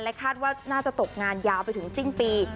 คาดว่าน่าจะตกงานยาวไปถึงสิ้นปี